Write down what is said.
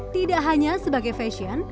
tidak hanya sebagai fashion